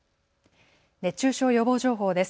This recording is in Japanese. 熱中症予防情報です。